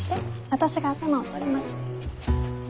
私が頭を取ります。